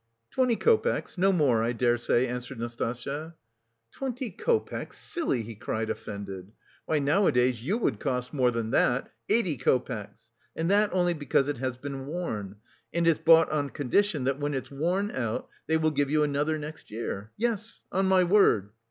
"Twenty copecks, no more, I dare say," answered Nastasya. "Twenty copecks, silly!" he cried, offended. "Why, nowadays you would cost more than that eighty copecks! And that only because it has been worn. And it's bought on condition that when's it's worn out, they will give you another next year. Yes, on my word!